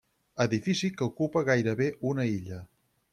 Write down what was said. Edifici que ocupa gairebé una illa.